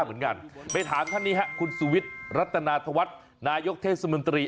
เหมือนกันไปถามท่านนี้ฮะคุณสุวิทย์รัตนาธวัฒน์นายกเทศมนตรี